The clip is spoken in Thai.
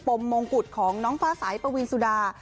มมงกุฎของน้องฟ้าสายปวีนสุดา